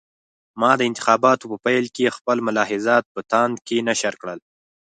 ما د انتخاباتو په پیل کې خپل ملاحضات په تاند کې نشر کړل.